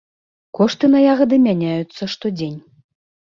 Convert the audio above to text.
Кошты на ягады мяняюцца штодзень.